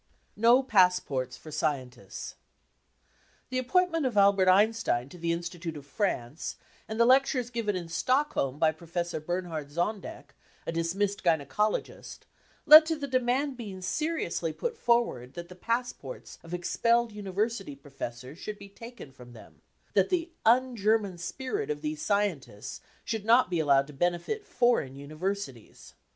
No Passports for Scientists. The appointment of Albert Einstein to the Institute of France, and the lectures given in Stockholm by Professor Bernhard Zondek, a dismissed gynaecologist, led to the demand being seriously put for ward that the passports of expelled University professors should be taken from them — that the 46 un German " spirit of these scientists should not be allowed to benefit foreign universities.